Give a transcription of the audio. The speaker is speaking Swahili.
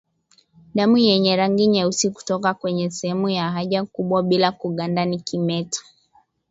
Damu yenye rangi nyeusi kutoka kwenye sehemu ya haja kubwa bila kuganda ni kimeta